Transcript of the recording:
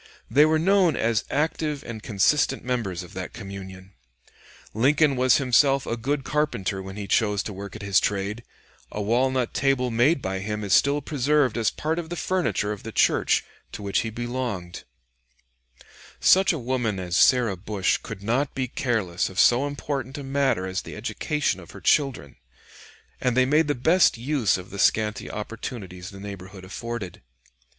They were known as active and consistent members of that communion. Lincoln was himself a good carpenter when he chose to work at his trade; a walnut table made by him is still preserved as part of the furniture of the church to which he belonged. [Sidenote: MS. letter from the Rev. T.V. Robertson, pastor of the Little Pigeon Baptist church.] Such a woman as Sarah Bush could not be careless of so important a matter as the education of her children, and they made the best use of the scanty opportunities the neighborhood afforded.